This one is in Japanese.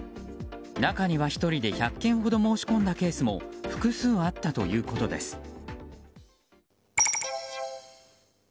中には１人で１００件ほど申し込んだケースも複数あったということです。